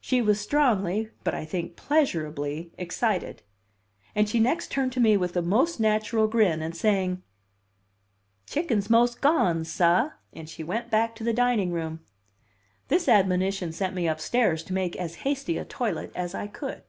She was strongly, but I think pleasurably, excited; and she next turned to me with a most natural grin, and saying, "Chick'n's mos' gone, sah," she went back to the dining room. This admonition sent me upstairs to make as hasty a toilet as I could.